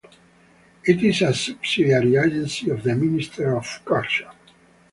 It is a subsidiary agency of the Ministry of Culture.